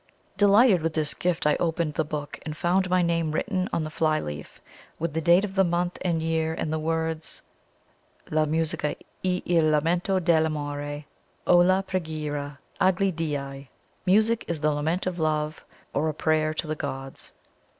Delighted with this gift, I opened the book, and found my name written on the fly leaf, with the date of the month and year, and the words: "La musica e il lamento dell' amore o la preghiera a gli Dei." (Music is the lament of love, or a prayer to the Gods.)